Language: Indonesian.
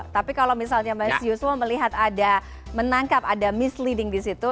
tapi kalau misalnya mas yuswo melihat ada menangkap ada misleading di situ